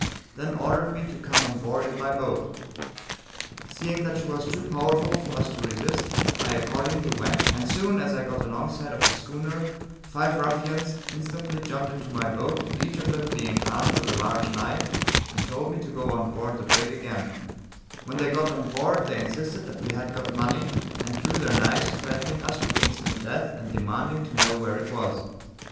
then ordered me to come on board in my boat. Seeing that she was too powerful for us to resist, I accordingly went, and soon as I got along side of the schooner, five ruffians instantly jumped into my boat, each of them being armed with a large knife, and told me to go on board the brig again; when they got on board they insisted that we had got money, and drew their knives, threatening us with instant death and demanding to know where it was.